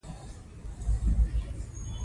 او يا به هم محلي مالداران وو.